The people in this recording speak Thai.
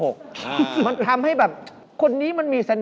มันทำให้แบบคนนี้มันมีเสน่